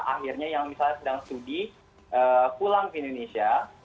akhirnya yang misalnya sedang studi pulang ke indonesia